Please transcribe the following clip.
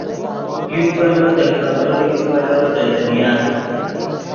یو پیلو دے کېبر یو پیلو دے دنیا